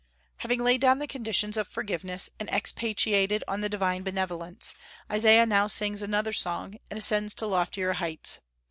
Having laid down the conditions of forgiveness, and expatiated on the divine benevolence, Isaiah now sings another song, and ascends to loftier heights.